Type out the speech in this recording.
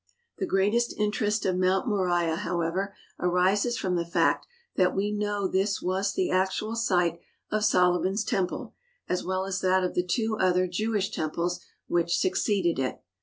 The greatest interest of Mount Moriah, however, arises from the fact that we know this was the actual site of Solomon's Temple as well as that of the two other Jew ish temples which succeeded it.